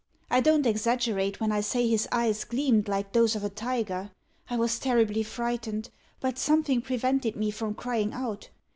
I don't exaggerate, when I say his eyes gleamed like those of a tiger. I was terribly frightened, but something prevented me from crying out.